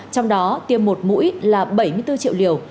trong đó tiêm một mũi là bảy mươi bốn triệu liều